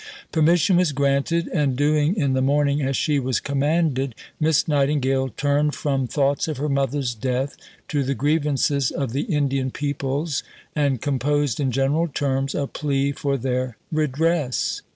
Permission was granted, and "doing in the morning as she was commanded" Miss Nightingale turned from thoughts of her mother's death to the grievances of the Indian peoples and composed in general terms a plea for their redress.